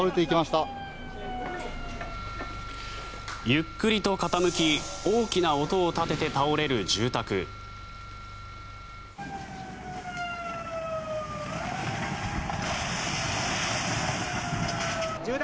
ゆっくりと傾き大きな音を立てて倒れる住宅。